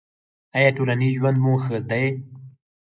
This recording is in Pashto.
ایا ټولنیز ژوند مو ښه دی؟